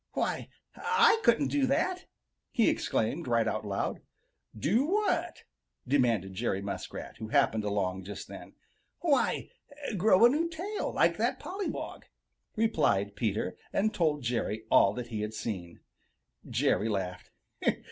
"Why, I couldn't do that!" he exclaimed right out loud. "Do what?" demanded Jerry Muskrat, who happened along just then. "Why, grow a new tail like that pollywog," replied Peter, and told Jerry all that he had seen. Jerry laughed.